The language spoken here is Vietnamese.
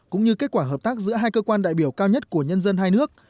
cũng như kết quả hợp tác giữa hai cơ quan đại biểu cao nhất của nhân dân hai nước